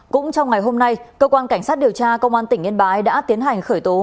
cũng trong ngày hôm nay cơ quan cảnh sát điều tra công an tỉnh yên bái đã tiến hành khởi tố